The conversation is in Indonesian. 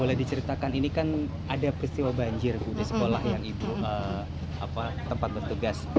boleh diceritakan ini kan ada peristiwa banjir bu di sekolah yang ibu tempat bertugas